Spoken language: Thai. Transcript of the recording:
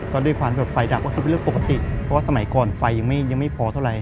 ก็ด้วยความแบบไฟดับก็คือเป็นเรื่องปกติเพราะว่าสมัยก่อนไฟยังไม่พอเท่าไห